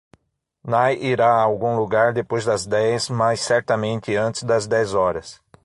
Nai irá a algum lugar depois das dez, mas certamente antes das dez horas.